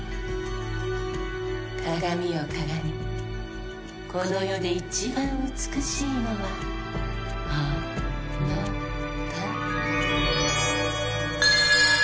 鏡よ鏡この世で一番美しいのはあなた。